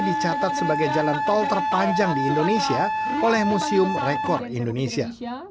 dicatat sebagai jalan tol terpanjang di indonesia oleh museum rekor indonesia